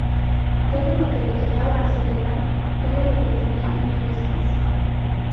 Todo lo que le quedaba acelerar todo lo que tenía, una vez más.